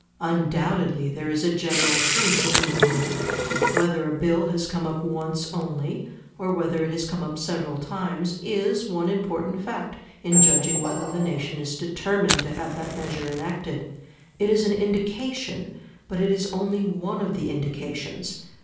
Undoubtedly there is a general truth in the rule. Whether a bill has come up once only, or whether it has come up several times, is one important fact in judging whether the nation is determined to have that measure enacted; it is an indication, but it is only one of the indications.